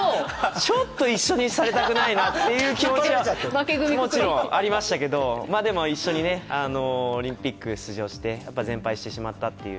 ちょっと一緒にされたくないなって気持ちがもちろんありましたけどでも一緒にオリンピック出場して全敗してしまったという。